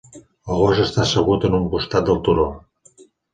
El gos està assegut en un costat del turó.